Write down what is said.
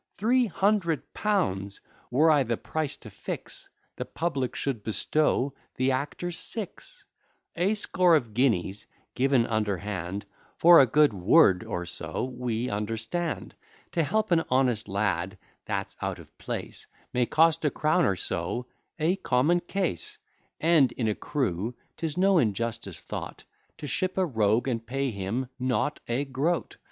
Three hundred pounds! Were I the price to fix, The public should bestow the actors six; A score of guineas given underhand, For a good word or so, we understand. To help an honest lad that's out of place, May cost a crown or so; a common case: And, in a crew, 'tis no injustice thought To ship a rogue, and pay him not a groat.